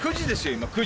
今９時。